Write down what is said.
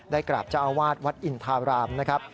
กราบเจ้าอาวาสวัดอินทารามนะครับ